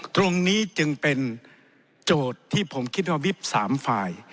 ตรงนี้จึงเป็นโจทย์ที่ผมคิดว่าวิบ๓ฝ่าย